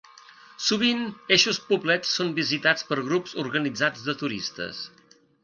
Sovint eixos poblets són visitats per grups organitzats de turistes.